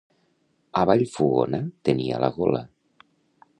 A Vallfogona tenia la gola.